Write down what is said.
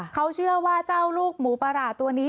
เขาเชื่อว่าเจ้าลูกหมูประหลาดตัวนี้